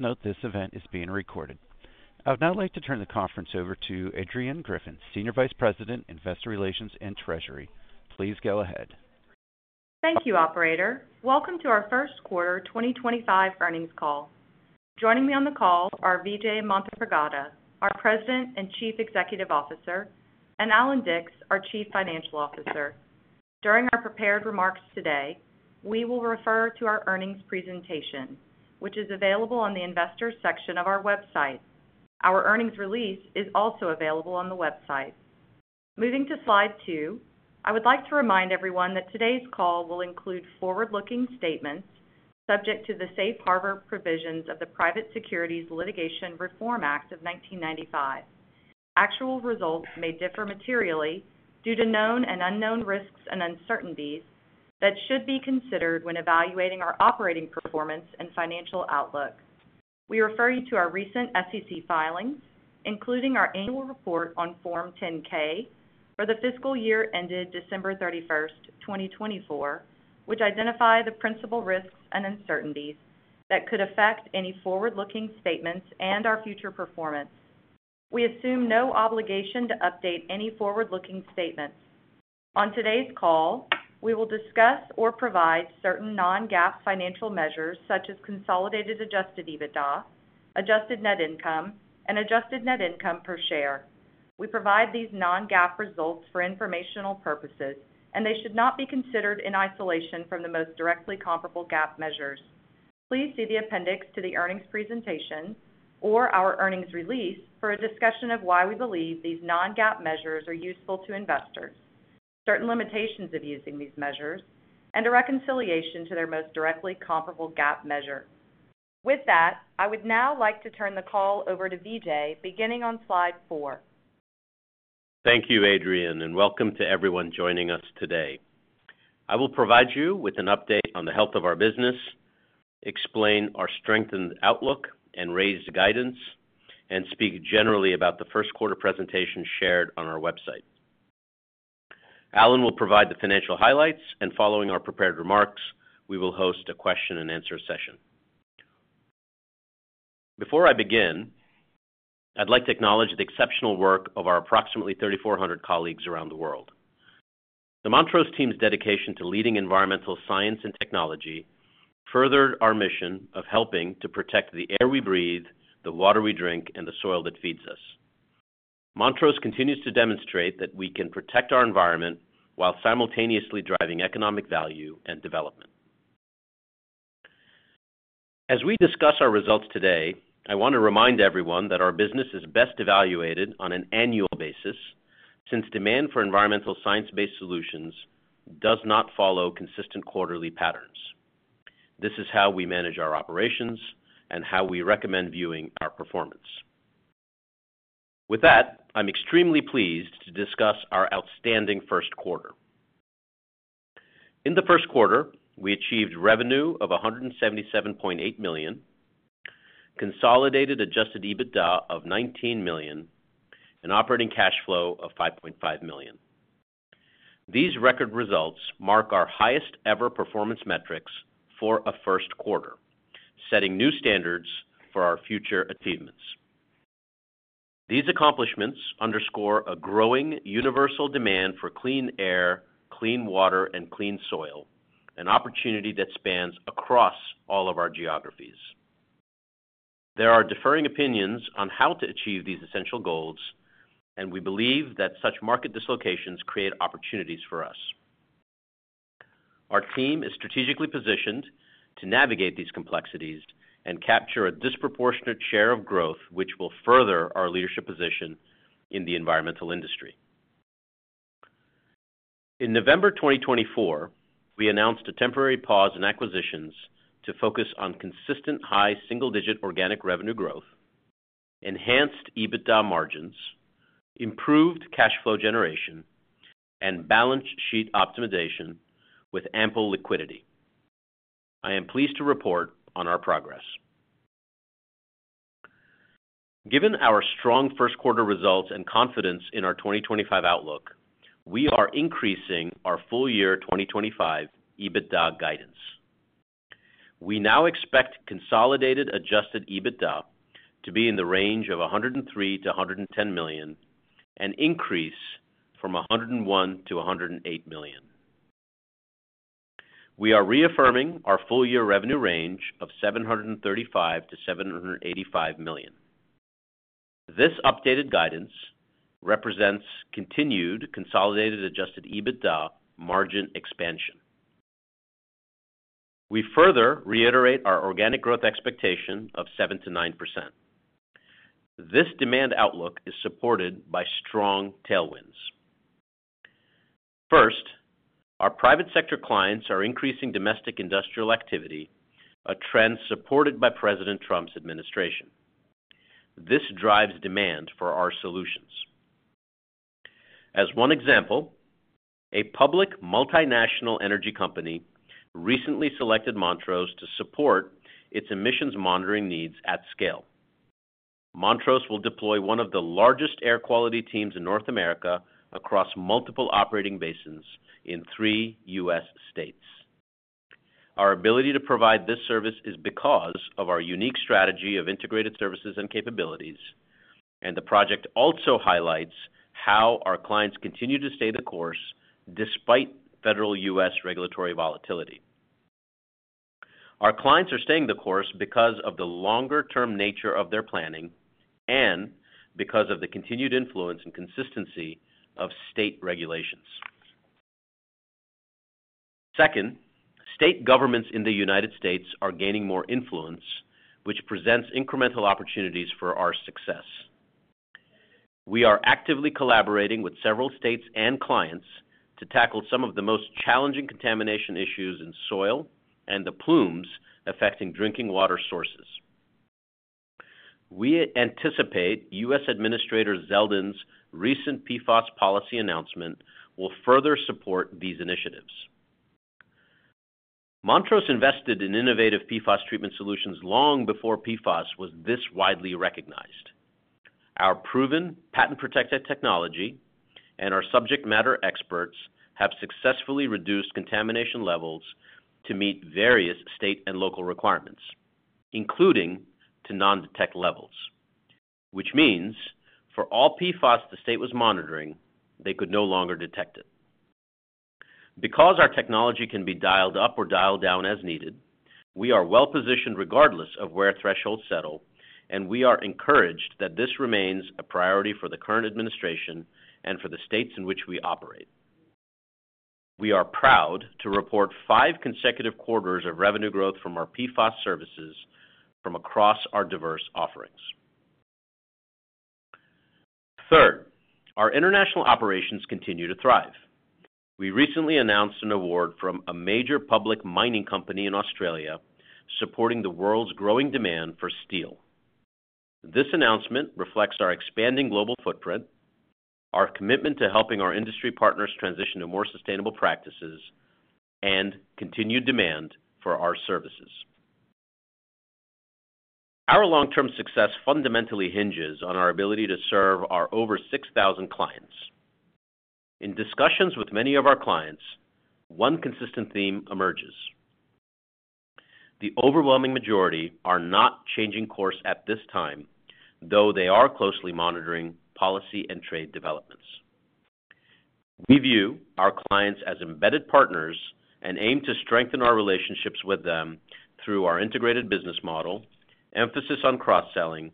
Please note this event is being recorded. I would now like to turn the conference over to Adrianne Griffin, Senior Vice President, Investor Relations and Treasury. Please go ahead. Thank you, Operator. Welcome to our First Quarter 2025 Earnings Call. Joining me on the call are Vijay Manthripragada, our President and Chief Executive Officer, and Allan Dicks, our Chief Financial Officer. During our prepared remarks today, we will refer to our earnings presentation, which is available on the investors' section of our website. Our earnings release is also available on the website. Moving to slide two, I would like to remind everyone that today's call will include forward-looking statements subject to the Safe Harbor provisions of the Private Securities Litigation Reform Act of 1995. Actual results may differ materially due to known and unknown risks and uncertainties that should be considered when evaluating our operating performance and financial outlook. We refer you to our recent SEC filings, including our annual report on Form 10-K for the fiscal year ended December 31st 2024, which identify the principal risks and uncertainties that could affect any forward-looking statements and our future performance. We assume no obligation to update any forward-looking statements. On today's call, we will discuss or provide certain non-GAAP financial measures such as consolidated adjusted EBITDA, adjusted net income, and adjusted net income per share. We provide these non-GAAP results for informational purposes, and they should not be considered in isolation from the most directly comparable GAAP measures. Please see the appendix to the earnings presentation or our earnings release for a discussion of why we believe these non-GAAP measures are useful to investors, certain limitations of using these measures, and a reconciliation to their most directly comparable GAAP measure. With that, I would now like to turn the call over to Vijay, beginning on slide four. Thank you, Adrianne, and welcome to everyone joining us today. I will provide you with an update on the health of our business, explain our strengthened outlook and raised guidance, and speak generally about the first quarter presentation shared on our website. Allan will provide the financial highlights, and following our prepared remarks, we will host a question and answer session. Before I begin, I'd like to acknowledge the exceptional work of our approximately 3,400 colleagues around the world. The Montrose team's dedication to leading environmental science and technology furthered our mission of helping to protect the air we breathe, the water we drink, and the soil that feeds us. Montrose continues to demonstrate that we can protect our environment while simultaneously driving economic value and development. As we discuss our results today, I want to remind everyone that our business is best evaluated on an annual basis since demand for environmental science-based solutions does not follow consistent quarterly patterns. This is how we manage our operations and how we recommend viewing our performance. With that, I'm extremely pleased to discuss our outstanding first quarter. In the first quarter, we achieved revenue of $177.8 million, consolidated adjusted EBITDA of $19 million, and operating cash flow of $5.5 million. These record results mark our highest-ever performance metrics for a first quarter, setting new standards for our future achievements. These accomplishments underscore a growing universal demand for clean air, clean water, and clean soil, an opportunity that spans across all of our geographies. There are differing opinions on how to achieve these essential goals, and we believe that such market dislocations create opportunities for us. Our team is strategically positioned to navigate these complexities and capture a disproportionate share of growth, which will further our leadership position in the environmental industry. In November 2024, we announced a temporary pause in acquisitions to focus on consistent high single-digit organic revenue growth, enhanced EBITDA margins, improved cash flow generation, and balance sheet optimization with ample liquidity. I am pleased to report on our progress. Given our strong first quarter results and confidence in our 2025 outlook, we are increasing our full year 2025 EBITDA guidance. We now expect consolidated adjusted EBITDA to be in the range of $103 million to $110 million and increase from $101 million to $108 million. We are reaffirming our full year revenue range of $735 million to $785 million. This updated guidance represents continued consolidated adjusted EBITDA margin expansion. We further reiterate our organic growth expectation of 7% to 9%. This demand outlook is supported by strong tailwinds. First, our private sector clients are increasing domestic industrial activity, a trend supported by President Trump's administration. This drives demand for our solutions. As one example, a public multinational energy company recently selected Montrose to support its emissions monitoring needs at scale. Montrose will deploy one of the largest air quality teams in North America across multiple operating basins in three U.S. states. Our ability to provide this service is because of our unique strategy of integrated services and capabilities, and the project also highlights how our clients continue to stay the course despite federal U.S. regulatory volatility. Our clients are staying the course because of the longer-term nature of their planning and because of the continued influence and consistency of state regulations. Second, state governments in the United States are gaining more influence, which presents incremental opportunities for our success. We are actively collaborating with several states and clients to tackle some of the most challenging contamination issues in soil and the plumes affecting drinking water sources. We anticipate U.S. Administrator Zeldin's recent PFAS policy announcement will further support these initiatives. Montrose invested in innovative PFAS treatment solutions long before PFAS was this widely recognized. Our proven patent-protected technology and our subject matter experts have successfully reduced contamination levels to meet various state and local requirements, including to non-detect levels, which means for all PFAS the state was monitoring, they could no longer detect it. Because our technology can be dialed up or dialed down as needed, we are well-positioned regardless of where thresholds settle, and we are encouraged that this remains a priority for the current administration and for the states in which we operate. We are proud to report five consecutive quarters of revenue growth from our PFAS services from across our diverse offerings. Third, our international operations continue to thrive. We recently announced an award from a major public mining company in Australia supporting the world's growing demand for steel. This announcement reflects our expanding global footprint, our commitment to helping our industry partners transition to more sustainable practices, and continued demand for our services. Our long-term success fundamentally hinges on our ability to serve our over 6,000 clients. In discussions with many of our clients, one consistent theme emerges. The overwhelming majority are not changing course at this time, though they are closely monitoring policy and trade developments. We view our clients as embedded partners and aim to strengthen our relationships with them through our integrated business model, emphasis on cross-selling,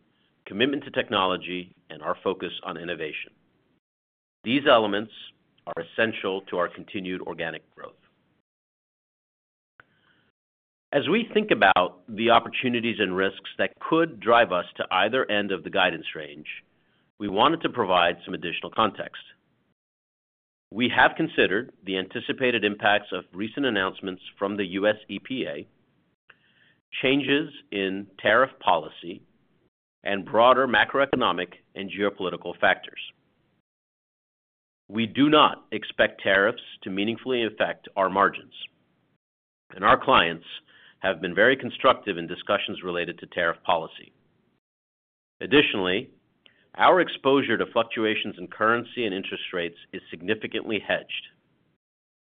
commitment to technology, and our focus on innovation. These elements are essential to our continued organic growth. As we think about the opportunities and risks that could drive us to either end of the guidance range, we wanted to provide some additional context. We have considered the anticipated impacts of recent announcements from the U.S. EPA, changes in tariff policy, and broader macroeconomic and geopolitical factors. We do not expect tariffs to meaningfully affect our margins, and our clients have been very constructive in discussions related to tariff policy. Additionally, our exposure to fluctuations in currency and interest rates is significantly hedged.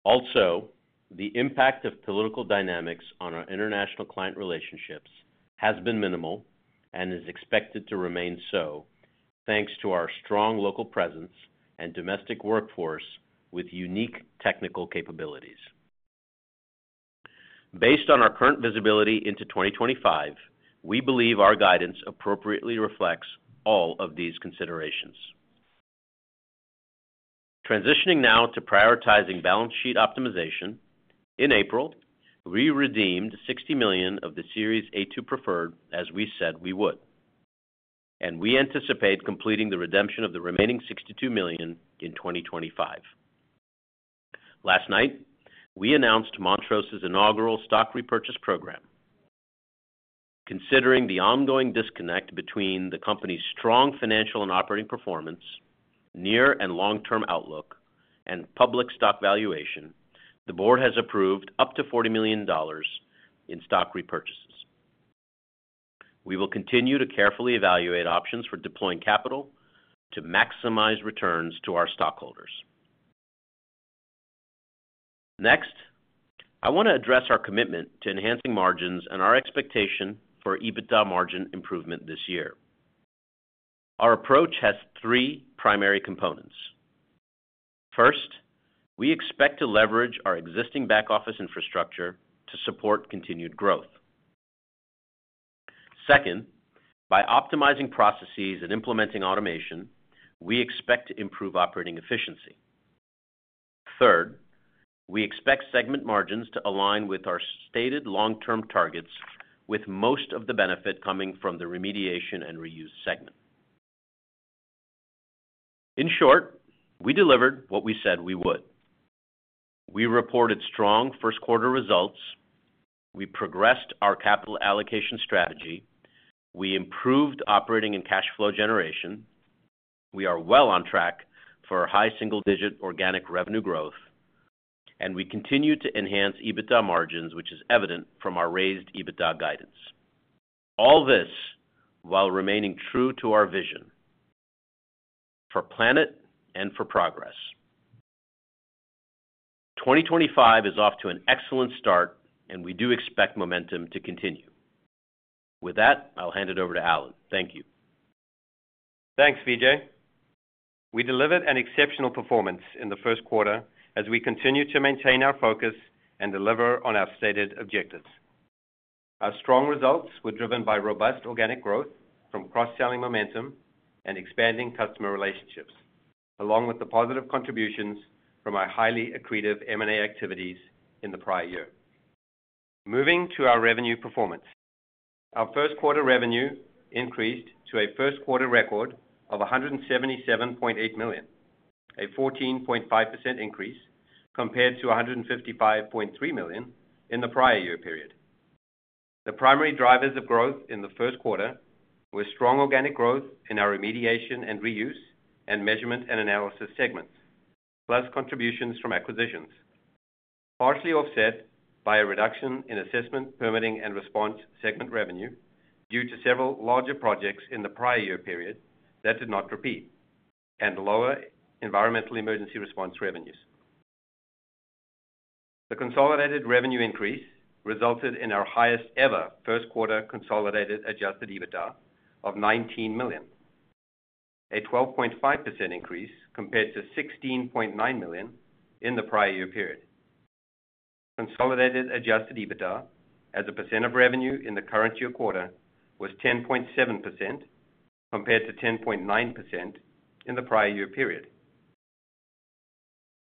Also, the impact of political dynamics on our international client relationships has been minimal and is expected to remain so thanks to our strong local presence and domestic workforce with unique technical capabilities. Based on our current visibility into 2025, we believe our guidance appropriately reflects all of these considerations. Transitioning now to prioritizing balance sheet optimization, in April, we redeemed $60 million of the Series A2 preferred as we said we would, and we anticipate completing the redemption of the remaining $62 million in 2025. Last night, we announced Montrose's inaugural stock repurchase program. Considering the ongoing disconnect between the company's strong financial and operating performance, near and long-term outlook, and public stock valuation, the board has approved up to $40 million in stock repurchases. We will continue to carefully evaluate options for deploying capital to maximize returns to our stockholders. Next, I want to address our commitment to enhancing margins and our expectation for EBITDA margin improvement this year. Our approach has three primary components. First, we expect to leverage our existing back-office infrastructure to support continued growth. Second, by optimizing processes and implementing automation, we expect to improve operating efficiency. Third, we expect segment margins to align with our stated long-term targets, with most of the benefit coming from the remediation and reuse segment. In short, we delivered what we said we would. We reported strong first-quarter results. We progressed our capital allocation strategy. We improved operating and cash flow generation. We are well on track for high single-digit organic revenue growth, and we continue to enhance EBITDA margins, which is evident from our raised EBITDA guidance. All this while remaining true to our vision for planet and for progress. 2025 is off to an excellent start, and we do expect momentum to continue. With that, I'll hand it over to Allan. Thank you. Thanks, Vijay. We delivered an exceptional performance in the first quarter as we continue to maintain our focus and deliver on our stated objectives. Our strong results were driven by robust organic growth from cross-selling momentum and expanding customer relationships, along with the positive contributions from our highly accretive M&A activities in the prior year. Moving to our revenue performance, our first-quarter revenue increased to a first-quarter record of $177.8 million, a 14.5% increase compared to $155.3 million in the prior year period. The primary drivers of growth in the first quarter were strong organic growth in our remediation and reuse and measurement and analysis segments, plus contributions from acquisitions, partially offset by a reduction in assessment, permitting, and response segment revenue due to several larger projects in the prior year period that did not repeat and lower environmental emergency response revenues. The consolidated revenue increase resulted in our highest-ever first-quarter consolidated adjusted EBITDA of $19 million, a 12.5% increase compared to $16.9 million in the prior year period. Consolidated adjusted EBITDA as a percent of revenue in the current year quarter was 10.7% compared to 10.9% in the prior year period.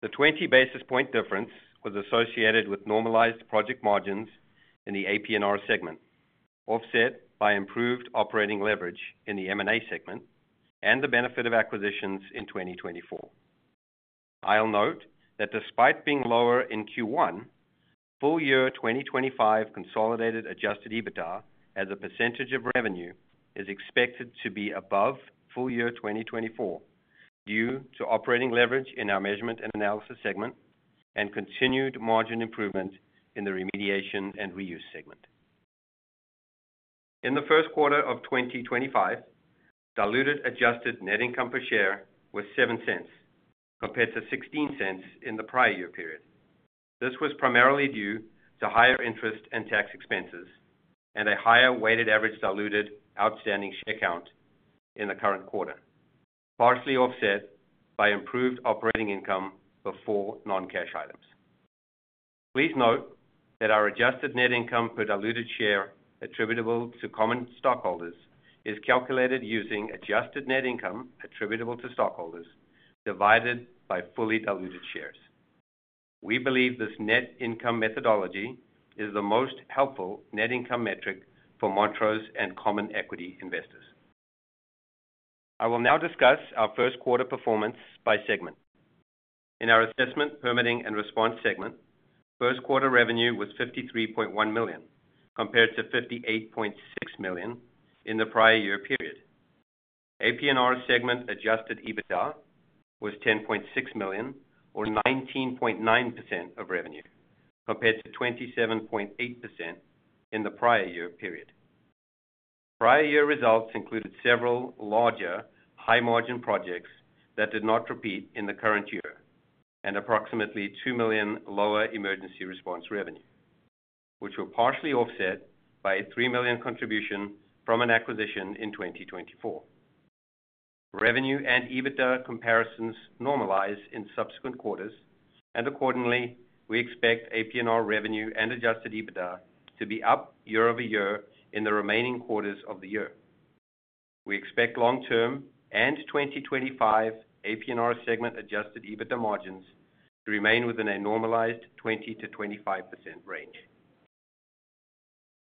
The 20 basis point difference was associated with normalized project margins in the AP&R segment, offset by improved operating leverage in the M&A segment and the benefit of acquisitions in 2024. I'll note that despite being lower in Q1, full year 2025 consolidated adjusted EBITDA as a percentage of revenue is expected to be above full year 2024 due to operating leverage in our measurement and analysis segment and continued margin improvement in the remediation and reuse segment. In the first quarter of 2025, diluted adjusted net income per share was $0.07 compared to $0.16 in the prior year period. This was primarily due to higher interest and tax expenses and a higher weighted average diluted outstanding share count in the current quarter, partially offset by improved operating income before non-cash items. Please note that our adjusted net income per diluted share attributable to common stockholders is calculated using adjusted net income attributable to stockholders divided by fully diluted shares. We believe this net income methodology is the most helpful net income metric for Montrose and common equity investors. I will now discuss our first-quarter performance by segment. In our assessment, permitting, and response segment, first-quarter revenue was $53.1 million compared to $58.6 million in the prior year period. AP&R segment adjusted EBITDA was $10.6 million, or 19.9% of revenue, compared to 27.8% in the prior year period. Prior year results included several larger, high-margin projects that did not repeat in the current year and approximately $2 million lower emergency response revenue, which were partially offset by a $3 million contribution from an acquisition in 2024. Revenue and EBITDA comparisons normalize in subsequent quarters, and accordingly, we expect AP&R revenue and adjusted EBITDA to be up year-over-year in the remaining quarters of the year. We expect long-term and 2025 AP&R segment adjusted EBITDA margins to remain within a normalized 20% to 25% range.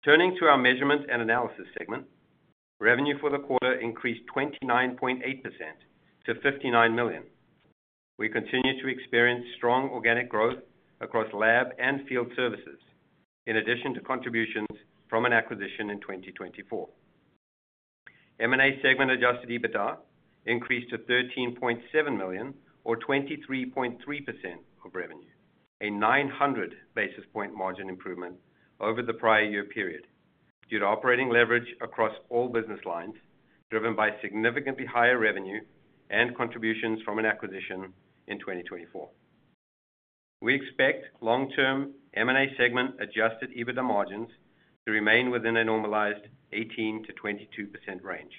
Turning to our measurement and analysis segment, revenue for the quarter increased 29.8% to $59 million. We continue to experience strong organic growth across lab and field services, in addition to contributions from an acquisition in 2024. M&A segment adjusted EBITDA increased to $13.7 million, or 23.3% of revenue, a 900 basis point margin improvement over the prior year period due to operating leverage across all business lines driven by significantly higher revenue and contributions from an acquisition in 2024. We expect long-term M&A segment adjusted EBITDA margins to remain within a normalized 18% to 22% range,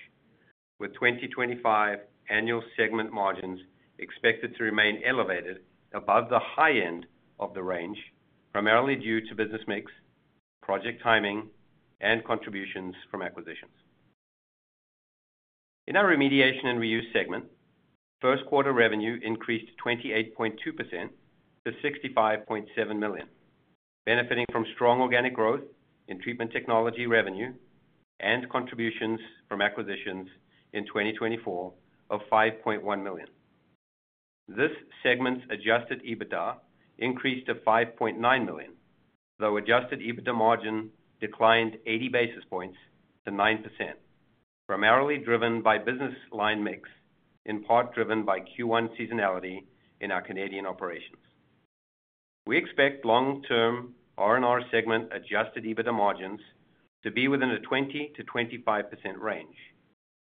with 2025 annual segment margins expected to remain elevated above the high end of the range, primarily due to business mix, project timing, and contributions from acquisitions. In our remediation and reuse segment, first-quarter revenue increased 28.2% to $65.7 million, benefiting from strong organic growth in treatment technology revenue and contributions from acquisitions in 2024 of $5.1 million. This segment's adjusted EBITDA increased to $5.9 million, though adjusted EBITDA margin declined 80 basis points to 9%, primarily driven by business line mix, in part driven by Q1 seasonality in our Canadian operations. We expect long-term R&R segment adjusted EBITDA margins to be within a 20% to 25% range,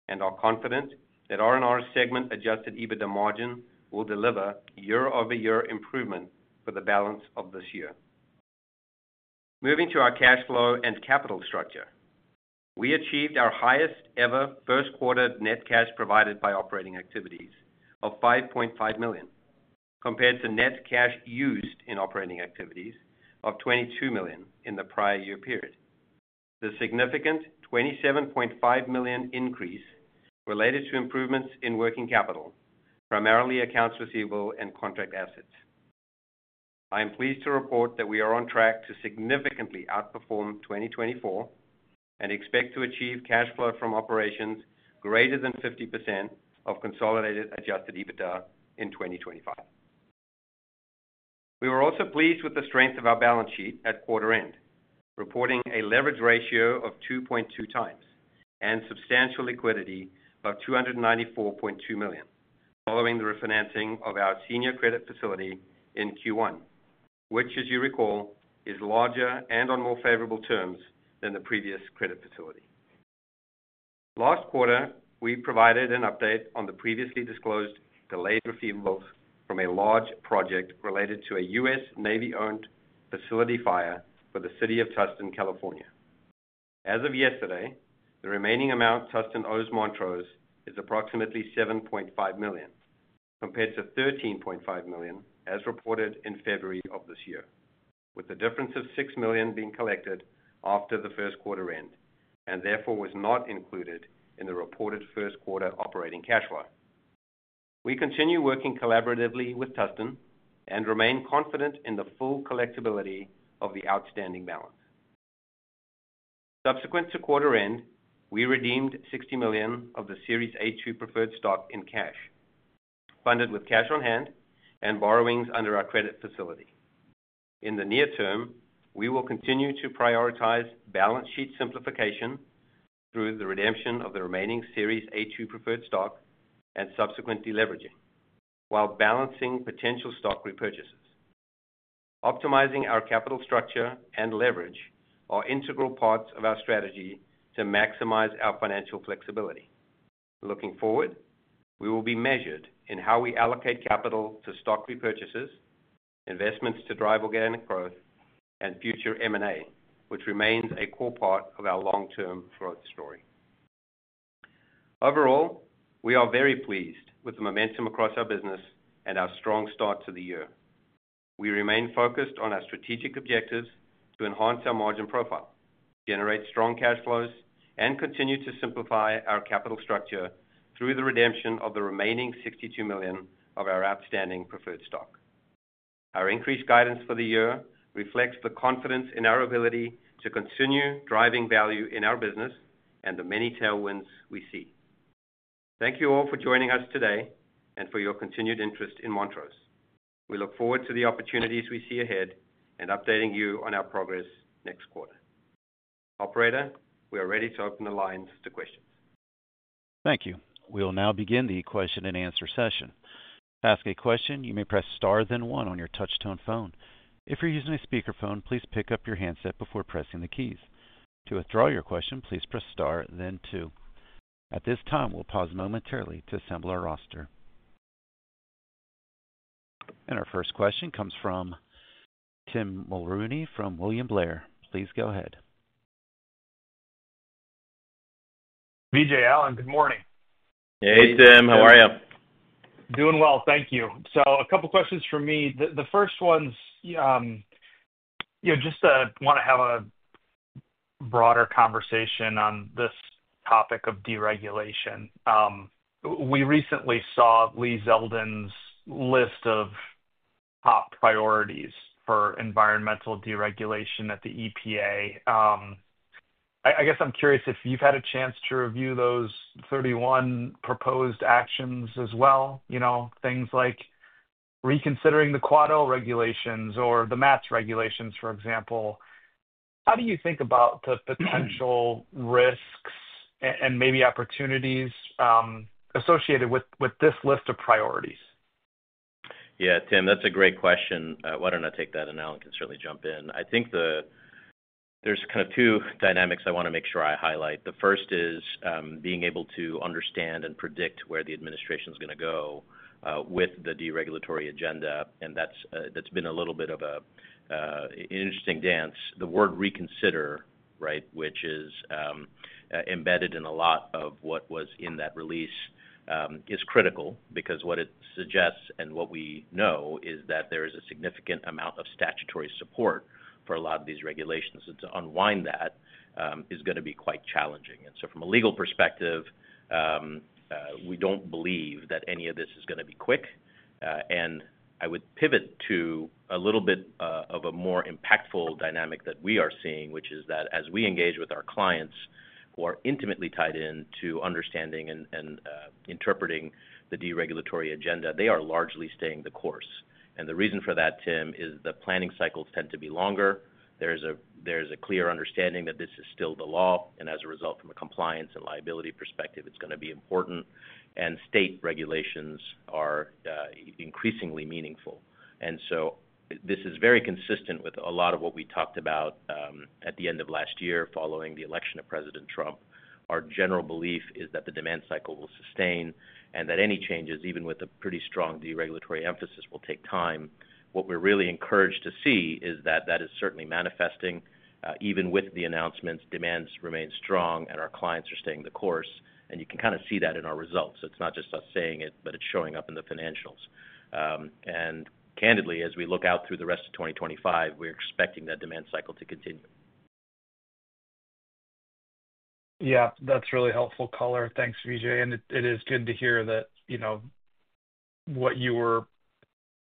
and are confident that R&R segment adjusted EBITDA margin will deliver year-over-year improvement for the balance of this year. Moving to our cash flow and capital structure, we achieved our highest-ever first-quarter net cash provided by operating activities of $5.5 million compared to net cash used in operating activities of $22 million in the prior year period. The significant $27.5 million increase related to improvements in working capital, primarily accounts receivable and contract assets. I am pleased to report that we are on track to significantly outperform 2024 and expect to achieve cash flow from operations greater than 50% of consolidated adjusted EBITDA in 2025. We were also pleased with the strength of our balance sheet at quarter end, reporting a leverage ratio of 2.2 times and substantial liquidity of $294.2 million, following the refinancing of our senior credit facility in Q1, which, as you recall, is larger and on more favorable terms than the previous credit facility. Last quarter, we provided an update on the previously disclosed delayed receivables from a large project related to a U.S. Navy-owned facility fire for the city of Tustin, California. As of yesterday, the remaining amount Tustin owes Montrose is approximately $7.5 million compared to $13.5 million, as reported in February of this year, with the difference of $6 million being collected after the first quarter end and therefore was not included in the reported first-quarter operating cash flow. We continue working collaboratively with Tustin and remain confident in the full collectibility of the outstanding balance. Subsequent to quarter end, we redeemed $60 million of the Series A2 preferred stock in cash, funded with cash on hand and borrowings under our credit facility. In the near term, we will continue to prioritize balance sheet simplification through the redemption of the remaining Series A2 preferred stock and subsequent deleveraging, while balancing potential stock repurchases. Optimizing our capital structure and leverage are integral parts of our strategy to maximize our financial flexibility. Looking forward, we will be measured in how we allocate capital to stock repurchases, investments to drive organic growth, and future M&A, which remains a core part of our long-term growth story. Overall, we are very pleased with the momentum across our business and our strong start to the year. We remain focused on our strategic objectives to enhance our margin profile, generate strong cash flows, and continue to simplify our capital structure through the redemption of the remaining $62 million of our outstanding preferred stock. Our increased guidance for the year reflects the confidence in our ability to continue driving value in our business and the many tailwinds we see. Thank you all for joining us today and for your continued interest in Montrose. We look forward to the opportunities we see ahead and updating you on our progress next quarter. Operator, we are ready to open the lines to questions. Thank you. We will now begin the question and answer session. To ask a question, you may press star then one on your touch-tone phone. If you're using a speakerphone, please pick up your handset before pressing the keys. To withdraw your question, please press star then two. At this time, we'll pause momentarily to assemble our roster. Our first question comes from Tim Mulrooney from William Blair. Please go ahead. Vijay, Allan, good morning. Hey, Tim. How are you? Doing well. Thank you. A couple of questions for me. The first one's just to want to have a broader conversation on this topic of deregulation. We recently saw Lee Zeldin's list of top priorities for environmental deregulation at the EPA. I guess I'm curious if you've had a chance to review those 31 proposed actions as well, things like reconsidering the Quad O regulations or the MATS regulations, for example. How do you think about the potential risks and maybe opportunities associated with this list of priorities? Yeah, Tim, that's a great question. Why don't I take that, and Allan can certainly jump in. I think there's kind of two dynamics I want to make sure I highlight. The first is being able to understand and predict where the administration is going to go with the deregulatory agenda, and that's been a little bit of an interesting dance. The word reconsider, right, which is embedded in a lot of what was in that release, is critical because what it suggests and what we know is that there is a significant amount of statutory support for a lot of these regulations. To unwind that is going to be quite challenging. From a legal perspective, we don't believe that any of this is going to be quick. I would pivot to a little bit of a more impactful dynamic that we are seeing, which is that as we engage with our clients who are intimately tied in to understanding and interpreting the deregulatory agenda, they are largely staying the course. The reason for that, Tim, is the planning cycles tend to be longer. There is a clear understanding that this is still the law, and as a result, from a compliance and liability perspective, it's going to be important. State regulations are increasingly meaningful. This is very consistent with a lot of what we talked about at the end of last year following the election of President Trump. Our general belief is that the demand cycle will sustain and that any changes, even with a pretty strong deregulatory emphasis, will take time. What we're really encouraged to see is that that is certainly manifesting even with the announcements. Demands remain strong, and our clients are staying the course. You can kind of see that in our results. It's not just us saying it, but it's showing up in the financials. Candidly, as we look out through the rest of 2025, we're expecting that demand cycle to continue. Yeah, that's really helpful color. Thanks, Vijay. It is good to hear that what you were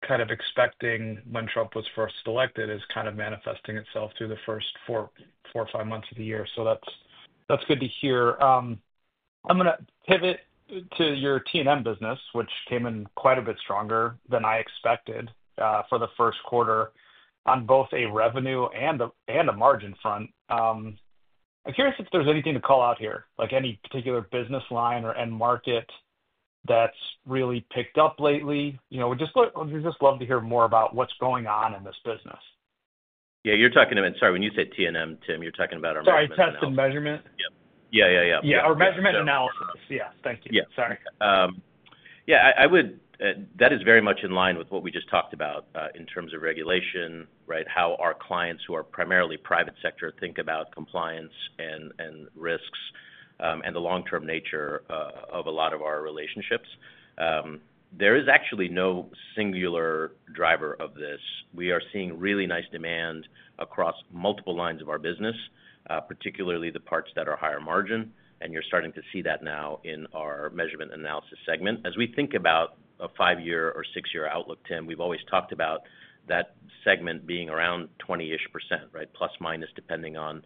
kind of expecting when Trump was first elected is kind of manifesting itself through the first four or five months of the year. That's good to hear. I'm going to pivot to your T&M business, which came in quite a bit stronger than I expected for the first quarter on both a revenue and a margin front. I'm curious if there's anything to call out here, like any particular business line or end market that's really picked up lately. We'd just love to hear more about what's going on in this business. Yeah, you're talking to—sorry, when you say T&M, Tim, you're talking about our market analysis. Sorry, test and measurement? Yeah. Yeah, our measurement analysis. Yeah. Thank you. Sorry. Yeah, that is very much in line with what we just talked about in terms of regulation, right, how our clients, who are primarily private sector, think about compliance and risks and the long-term nature of a lot of our relationships. There is actually no singular driver of this. We are seeing really nice demand across multiple lines of our business, particularly the parts that are higher margin, and you're starting to see that now in our measurement analysis segment. As we think about a five-year or six-year outlook, Tim, we've always talked about that segment being around 20% ish, right, plus minus depending on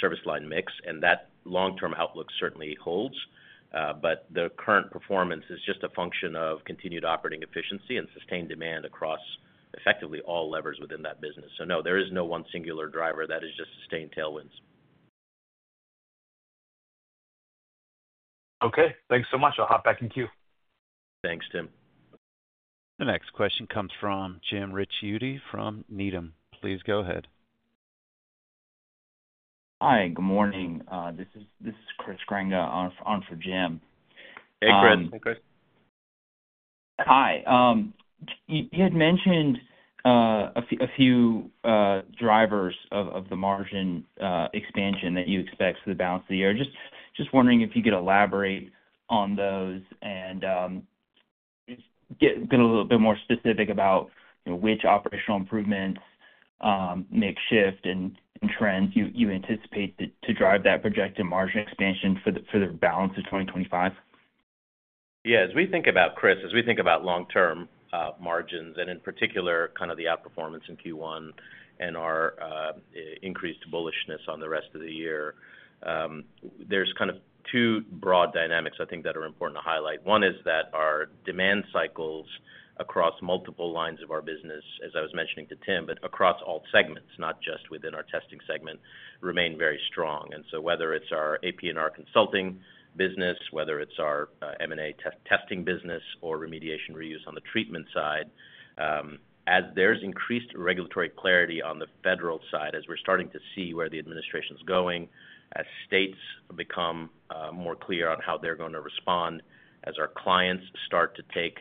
service line mix. That long-term outlook certainly holds, but the current performance is just a function of continued operating efficiency and sustained demand across effectively all levers within that business. No, there is no one singular driver. That is just sustained tailwinds. Okay. Thanks so much. I'll hop back in queue. Thanks, Tim. The next question comes from Jim Ricchiuti from Needham. Please go ahead. Hi. Good morning. This is Chris Granga on for Jim. Hey, Chris. Hey, Chris. Hi. You had mentioned a few drivers of the margin expansion that you expect through the balance of the year. Just wondering if you could elaborate on those and get a little bit more specific about which operational improvements, makeshift, and trends you anticipate to drive that projected margin expansion for the balance of 2025. Yeah. As we think about, Chris, as we think about long-term margins, and in particular, kind of the outperformance in Q1 and our increased bullishness on the rest of the year, there are kind of two broad dynamics I think that are important to highlight. One is that our demand cycles across multiple lines of our business, as I was mentioning to Tim, but across all segments, not just within our testing segment, remain very strong. Whether it is our AP&R consulting business, whether it is our M&A testing business, or remediation reuse on the treatment side, as there is increased regulatory clarity on the federal side, as we are starting to see where the administration is going, as states become more clear on how they are going to respond, as our clients start to take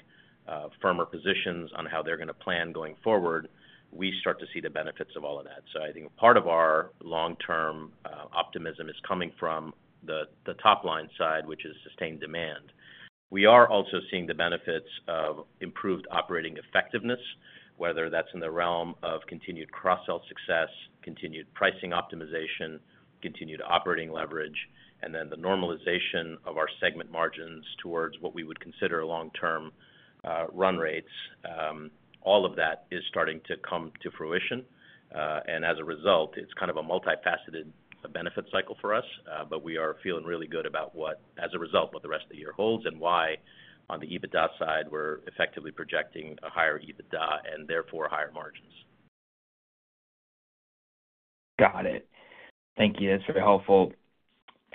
firmer positions on how they are going to plan going forward, we start to see the benefits of all of that. I think part of our long-term optimism is coming from the top line side, which is sustained demand. We are also seeing the benefits of improved operating effectiveness, whether that is in the realm of continued cross-sell success, continued pricing optimization, continued operating leverage, and then the normalization of our segment margins towards what we would consider long-term run rates. All of that is starting to come to fruition. As a result, it's kind of a multifaceted benefit cycle for us, but we are feeling really good about, as a result, what the rest of the year holds and why, on the EBITDA side, we're effectively projecting a higher EBITDA and therefore higher margins. Got it. Thank you. That's very helpful.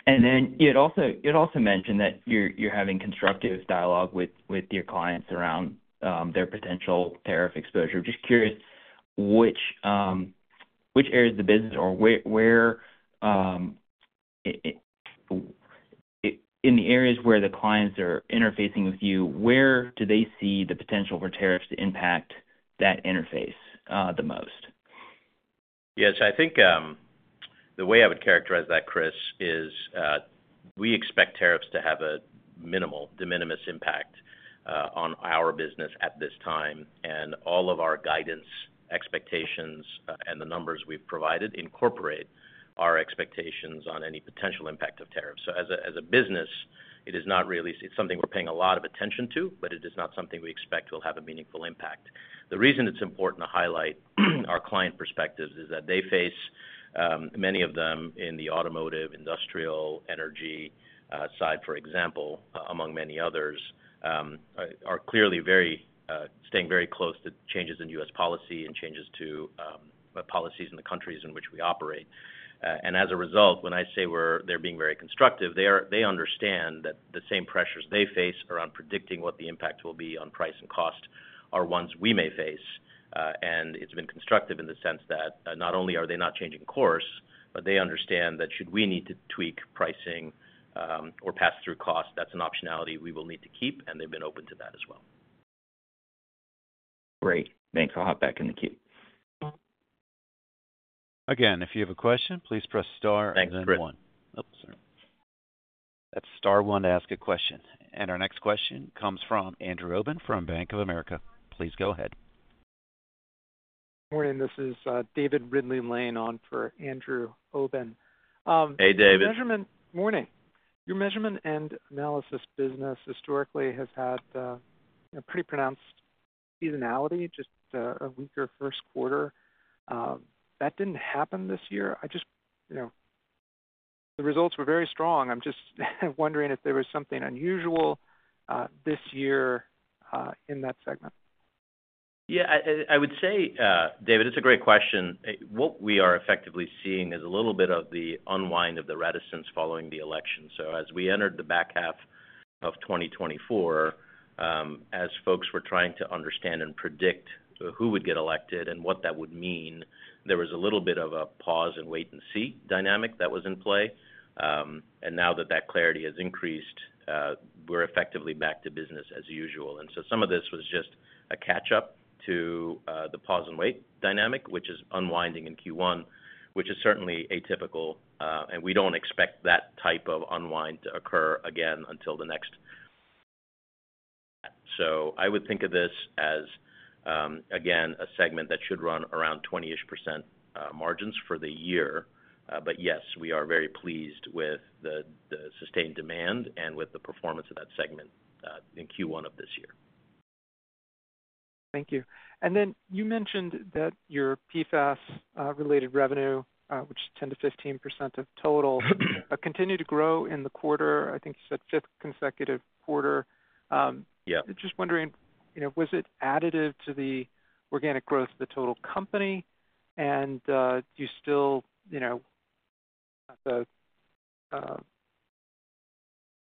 You had also mentioned that you're having constructive dialogue with your clients around their potential tariff exposure. I'm just curious which areas of the business or in the areas where the clients are interfacing with you, where do they see the potential for tariffs to impact that interface the most? Yeah. I think the way I would characterize that, Chris, is we expect tariffs to have a minimal, de minimis impact on our business at this time. All of our guidance expectations and the numbers we've provided incorporate our expectations on any potential impact of tariffs. As a business, it is not really—it's something we're paying a lot of attention to, but it is not something we expect will have a meaningful impact. The reason it's important to highlight our client perspectives is that they face, many of them in the automotive, industrial, energy side, for example, among many others, are clearly staying very close to changes in U.S. policy and changes to policies in the countries in which we operate. As a result, when I say they're being very constructive, they understand that the same pressures they face around predicting what the impact will be on price and cost are ones we may face. It's been constructive in the sense that not only are they not changing course, but they understand that should we need to tweak pricing or pass through cost, that's an optionality we will need to keep, and they've been open to that as well. Great. Thanks. I'll hop back in the queue. Again, if you have a question, please press star and then one. Thanks, Chris. That's star one to ask a question. Our next question comes from Andrew Obin from Bank of America. Please go ahead. Morning. This is David Ridley-Lane on for Andrew Obin. Hey, David. Your measurement and analysis business historically has had a pretty pronounced seasonality, just a weaker first quarter. That did not happen this year. The results were very strong. I'm just wondering if there was something unusual this year in that segment. Yeah. I would say, David, it's a great question. What we are effectively seeing is a little bit of the unwind of the reticence following the election. As we entered the back half of 2024, as folks were trying to understand and predict who would get elected and what that would mean, there was a little bit of a pause and wait-and-see dynamic that was in play. Now that that clarity has increased, we're effectively back to business as usual. Some of this was just a catch-up to the pause and wait dynamic, which is unwinding in Q1, which is certainly atypical. We do not expect that type of unwind to occur again until the next year. I would think of this as, again, a segment that should run around 20% margins for the year. Yes, we are very pleased with the sustained demand and with the performance of that segment in Q1 of this year. Thank you. You mentioned that your PFAS-related revenue, which is 10% to 15% of total, continued to grow in the quarter. I think you said fifth consecutive quarter. Just wondering, was it additive to the organic growth of the total company? Do you still—do not want to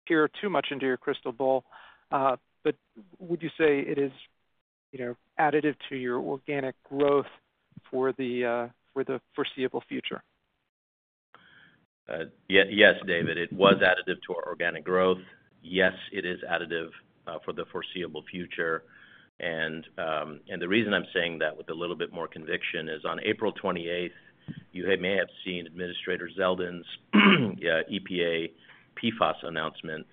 peer too much into your crystal ball—but would you say it is additive to your organic growth for the foreseeable future? Yes, David. It was additive to our organic growth. Yes, it is additive for the foreseeable future. The reason I'm saying that with a little bit more conviction is on April 28th, you may have seen Administrator Zeldin's EPA PFAS announcement.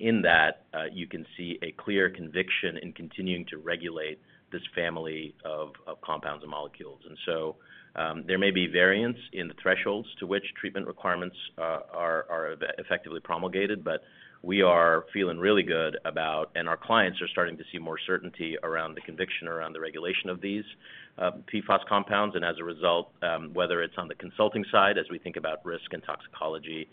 In that, you can see a clear conviction in continuing to regulate this family of compounds and molecules. There may be variance in the thresholds to which treatment requirements are effectively promulgated, but we are feeling really good about—and our clients are starting to see more certainty around the conviction around the regulation of these PFAS compounds. As a result, whether it's on the consulting side, as we think about risk and toxicology and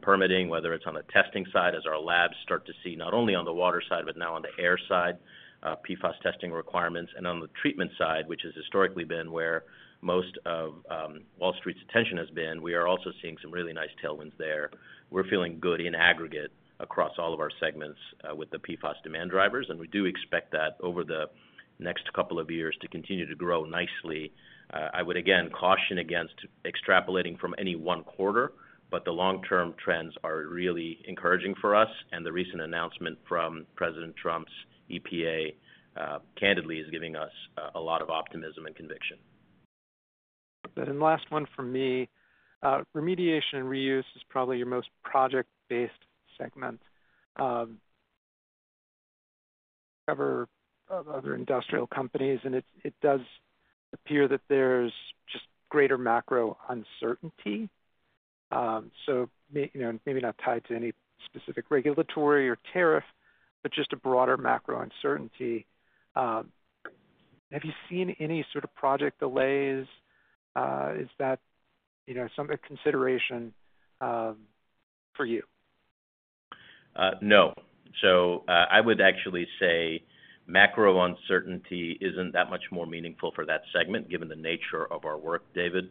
permitting, whether it's on the testing side, as our labs start to see not only on the water side, but now on the air side, PFAS testing requirements. On the treatment side, which has historically been where most of Wall Street's attention has been, we are also seeing some really nice tailwinds there. We're feeling good in aggregate across all of our segments with the PFAS demand drivers. We do expect that over the next couple of years to continue to grow nicely. I would, again, caution against extrapolating from any one quarter, but the long-term trends are really encouraging for us. The recent announcement from President Trump's EPA candidly is giving us a lot of optimism and conviction. Last one for me, remediation and reuse is probably your most project-based segment. You cover other industrial companies, and it does appear that there's just greater macro uncertainty. Maybe not tied to any specific regulatory or tariff, but just a broader macro uncertainty. Have you seen any sort of project delays? Is that a consideration for you? No. I would actually say macro uncertainty is not that much more meaningful for that segment, given the nature of our work, David.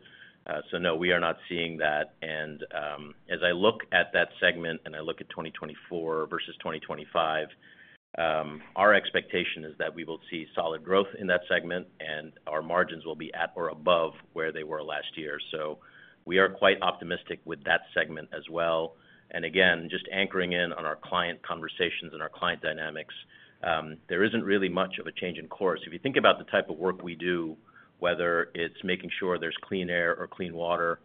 No, we are not seeing that. As I look at that segment and I look at 2024 versus 2025, our expectation is that we will see solid growth in that segment, and our margins will be at or above where they were last year. We are quite optimistic with that segment as well. Again, just anchoring in on our client conversations and our client dynamics, there is not really much of a change in course. If you think about the type of work we do, whether it is making sure there is clean air or clean water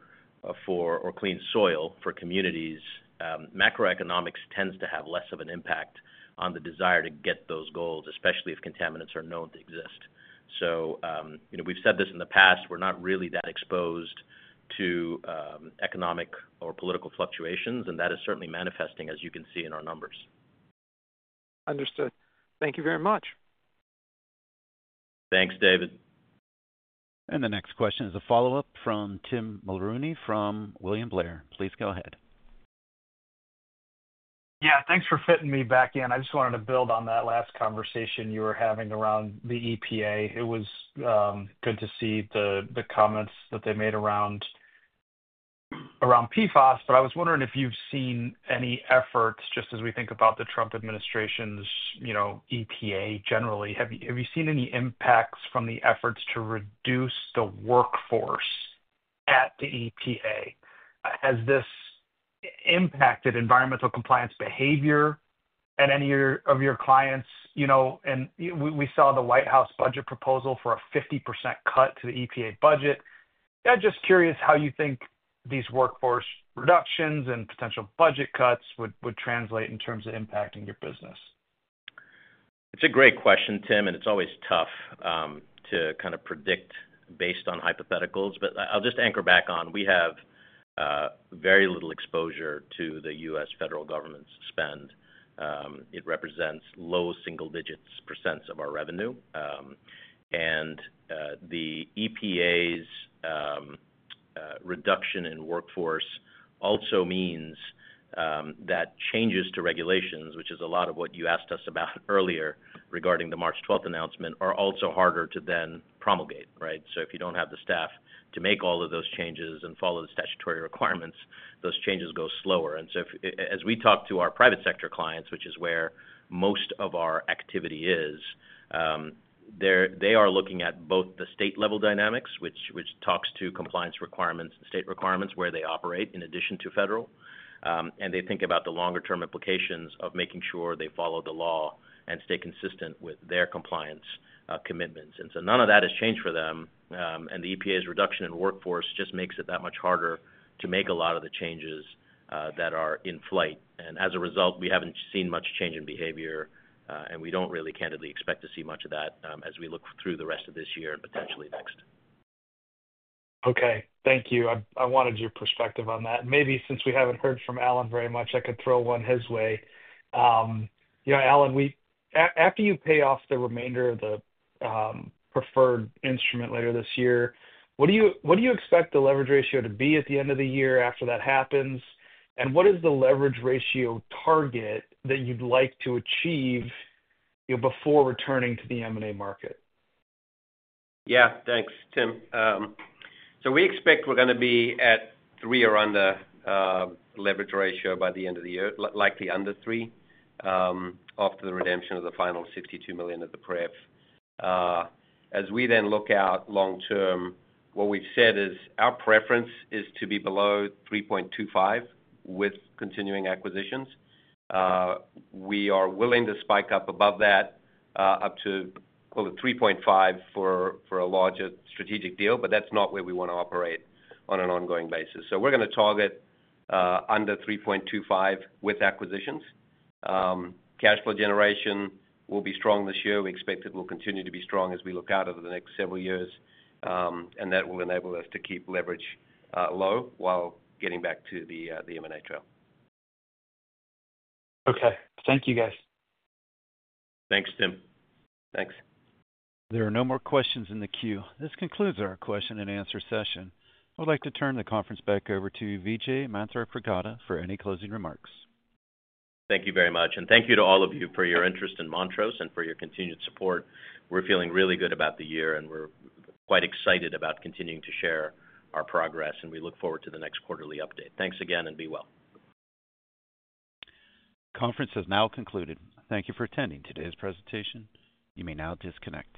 or clean soil for communities, macroeconomics tends to have less of an impact on the desire to get those goals, especially if contaminants are known to exist. We've said this in the past, we're not really that exposed to economic or political fluctuations, and that is certainly manifesting, as you can see in our numbers. Understood. Thank you very much. Thanks, David. The next question is a follow-up from Tim Mulrooney from William Blair. Please go ahead. Yeah. Thanks for fitting me back in. I just wanted to build on that last conversation you were having around the EPA. It was good to see the comments that they made around PFAS, but I was wondering if you've seen any efforts, just as we think about the Trump administration's EPA generally. Have you seen any impacts from the efforts to reduce the workforce at the EPA? Has this impacted environmental compliance behavior at any of your clients? We saw the White House budget proposal for a 50% cut to the EPA budget. I'm just curious how you think these workforce reductions and potential budget cuts would translate in terms of impacting your business. It's a great question, Tim, and it's always tough to kind of predict based on hypotheticals. I'll just anchor back on. We have very little exposure to the U.S. federal government's spend. It represents low single-digit percent of our revenue. The EPA's reduction in workforce also means that changes to regulations, which is a lot of what you asked us about earlier regarding the March 12th announcement, are also harder to then promulgate, right? If you don't have the staff to make all of those changes and follow the statutory requirements, those changes go slower. As we talk to our private sector clients, which is where most of our activity is, they are looking at both the state-level dynamics, which talks to compliance requirements and state requirements where they operate in addition to federal. They think about the longer-term implications of making sure they follow the law and stay consistent with their compliance commitments. None of that has changed for them. The EPA's reduction in workforce just makes it that much harder to make a lot of the changes that are in flight. As a result, we haven't seen much change in behavior, and we don't really candidly expect to see much of that as we look through the rest of this year and potentially next. Okay. Thank you. I wanted your perspective on that. Maybe since we have not heard from Allan very much, I could throw one his way. Allan, after you pay off the remainder of the preferred instrument later this year, what do you expect the leverage ratio to be at the end of the year after that happens? What is the leverage ratio target that you would like to achieve before returning to the M&A market? Yeah. Thanks, Tim. We expect we're going to be at three or under leverage ratio by the end of the year, likely under three after the redemption of the final $62 million of the pref. As we then look out long-term, what we've said is our preference is to be below 3.25 with continuing acquisitions. We are willing to spike up above that up to, well, 3.5 for a larger strategic deal, but that's not where we want to operate on an ongoing basis. We're going to target under 3.25 with acquisitions. Cash flow generation will be strong this year. We expect it will continue to be strong as we look out over the next several years, and that will enable us to keep leverage low while getting back to the M&A trail. Okay. Thank you, guys. Thanks, Tim. Thanks. There are no more questions in the queue. This concludes our question and answer session. I would like to turn the conference back over to Vijay Manthripragada for any closing remarks. Thank you very much. Thank you to all of you for your interest in Montrose and for your continued support. We're feeling really good about the year, and we're quite excited about continuing to share our progress, and we look forward to the next quarterly update. Thanks again and be well. The conference has now concluded. Thank you for attending today's presentation. You may now disconnect.